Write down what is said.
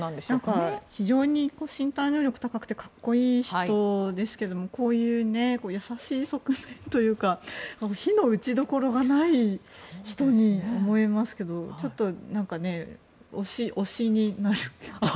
非常に身体能力が高く格好いい人ですけどこういう優しい側面というか非の打ちどころがない人に思えますけどちょっと推しに。